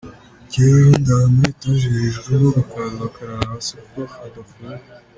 Njyewe rero ndara muri etage hejuru bo bakaza bakarara hasi kuko hadafungwa.